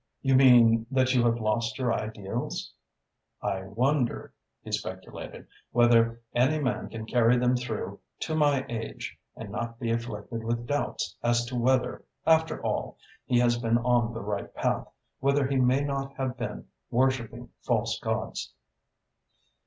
"You mean that you have lost your ideals?" "I wonder," he speculated, "whether any man can carry them through to my age and not be afflicted with doubts as to whether, after all, he has been on the right path, whether he may not have been worshipping false gods."